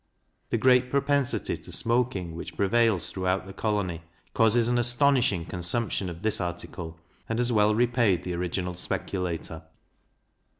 The great propensity to smoking which prevails throughout the colony, causes an astonishing consumption of this article, and has well repaid the original speculator.